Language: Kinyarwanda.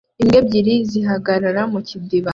Imbwa ebyiri zihagarara mu kidiba